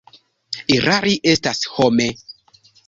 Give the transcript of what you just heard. Erari estas home.